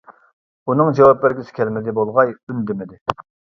ئۇنىڭ جاۋاب بەرگۈسى كەلمىدى بولغاي ئۈندىمىدى.